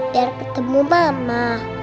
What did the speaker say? biar ketemu mama